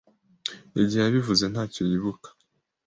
Igihe yabivuze ntacyo yibuka